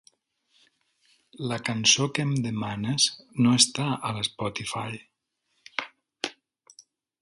La cançó que em demanes no està a l'Spotify.